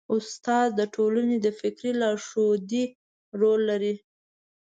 استاد د ټولنې د فکري لارښودۍ رول لري.